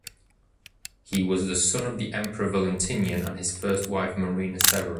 He was the son of the emperor Valentinian and his first wife Marina Severa.